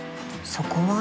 そこは？